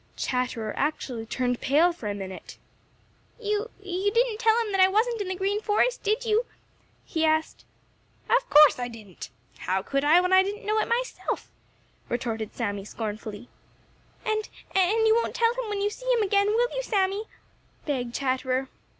Chatterer actually turned pale for a minute. "You—you didn't tell him that I wasn't in the Green Forest, did you?" he asked. "Of course I didn't! How could I when I didn't know it myself?" retorted Sammy scornfully. "And—and you won't tell him when you see him again, will you, Sammy?" begged Chatterer.